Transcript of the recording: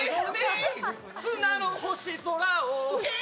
砂の星空を